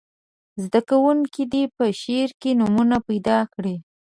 زده کوونکي دې په شعر کې نومونه پیداکړي.